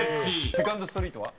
「セカンドストリート」は？